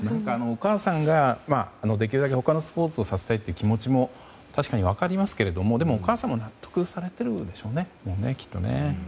お母さんができるだけ他のスポーツをさせたいという気持ちも確かに分かりますけどもでも、お母様、納得をされてるんでしょうね、きっと。